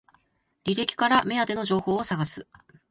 履歴から目当ての情報を探す